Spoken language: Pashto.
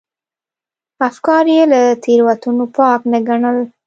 افکار یې له تېروتنو پاک نه ګڼل.